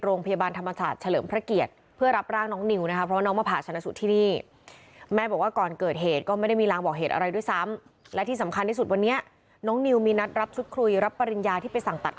โรงพยาบาลธรรมชาติเฉลิมพระเกียรติ